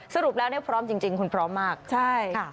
สรุปแล้วเนี่ยพร้อมจริงคุณพร้อมมากใช่ค่ะ